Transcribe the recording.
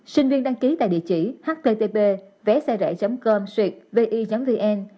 sinh viên đăng ký tại địa chỉ http véxe com vn